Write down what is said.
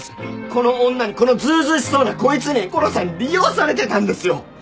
この女にこのずうずうしそうなこいつにゴロさん利用されてたんですよ！